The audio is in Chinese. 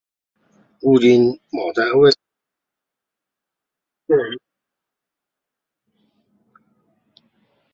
如今为某单位用房。